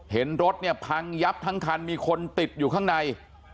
เห็นรถเนี่ยพังยับทั้งคันมีคนติดอยู่ข้างใน